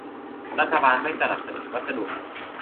รัฐบาลไม่สนับสนุนวัสดุ